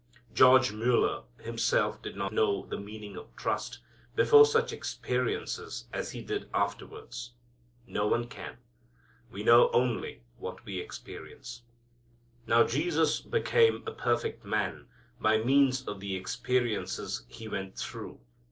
George Mueller himself did not know the meaning of "trust" before such experiences as he did afterwards. No one can. We know only what we experience. Now Jesus became a perfect man by means of the experiences He went through.